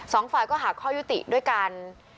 สองฝ่ายก็หาข้อยุติด้วยกัน